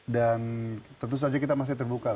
dan tentu saja kita masih terbuka